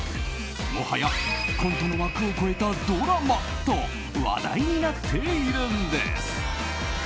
もはやコントの枠を超えたドラマと話題になっているんです。